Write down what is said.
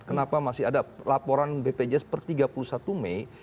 kenapa masih ada laporan bpjs per tiga puluh satu mei